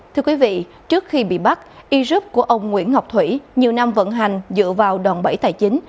thưa quý vị trước khi bị bắt e group của ông nguyễn ngọc thủy nhiều năm vận hành dựa vào đòn bẫy tài chính